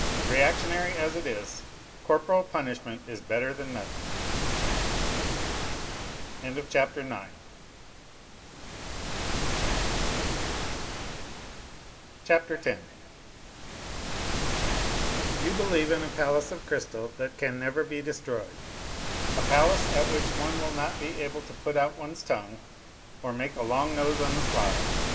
Reactionary as it is, corporal punishment is better than nothing. Y'>ii lirlieve in a palace of crystal that can never be destroyed a i which one will not be able to put out one's tongue or make a long nose on the sly.